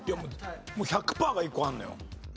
もう１００パーが１個あるのよ。